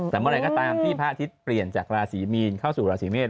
แต่เมื่อไหร่ก็ตามที่พระอาทิตย์เปลี่ยนจากราศีมีนเข้าสู่ราศีเมษ